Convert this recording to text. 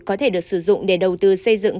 có thể được sử dụng để đầu tư xây dựng